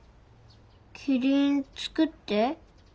キリン作って。